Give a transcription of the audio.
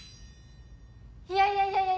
いやいやいやいや！